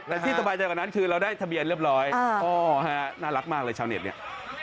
แต่ที่สบายใจกว่านั้นคือเราได้ทะเบียนเรียบร้อยอ๋อฮะน่ารักมากเลยชาวเน็ตเนี่ย